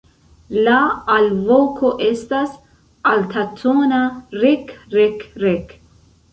La alvoko estas altatona "rek-rek-rek".